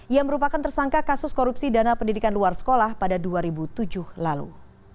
ia merupakan tersangka kasus korupsi dana pendidikan luar sekolah pada dua ribu tujuh lalu